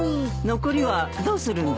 残りはどうするんだい？